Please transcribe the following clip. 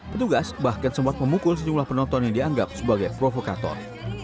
petugas bahkan sempat memukul sejumlah penonton yang dianggap sebagai provokator